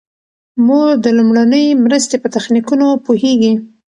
مور د لومړنۍ مرستې په تخنیکونو پوهیږي.